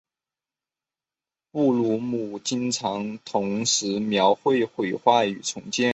布鲁姆经常同时描绘毁坏与重建。